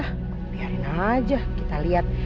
ah biarin aja kita lihat